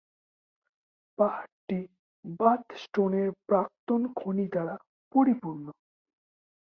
পাহাড়টি বাথ স্টোনের প্রাক্তন খনি দ্বারা পরিপূর্ণ।